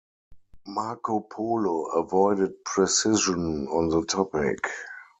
Marco Polo avoided precision on the topic.